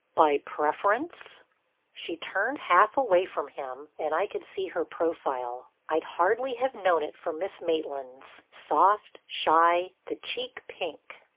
"By preference?" She turned half away from him and I could see her profile. I'd hardly have known it for Miss Maitland's, soft, shy, the cheek pink.